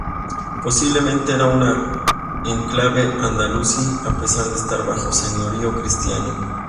Posiblemente era un enclave andalusí, a pesar de estar bajo señorío cristiano.